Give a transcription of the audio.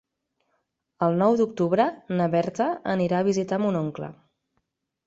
El nou d'octubre na Berta anirà a visitar mon oncle.